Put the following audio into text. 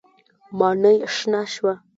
ماڼۍ شنه شوه.